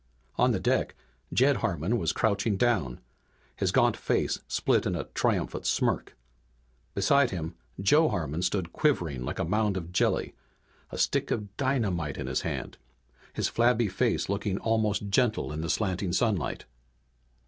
On the deck Jed Harmon was crouching down, his gaunt face split in a triumphant smirk. Beside him Joe Harmon stood quivering like a mound of jelly, a stick of dynamite in his hand, his flabby face looking almost gentle in the slanting sunlight.